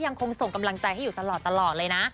ยังคงส่งกำลังใจให้อยู่ตลอดเลยนะ